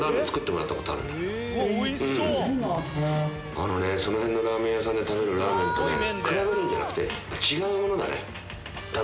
あのねその辺のラーメン屋さんで食べるラーメンとね比べるんじゃなくて違うものだね。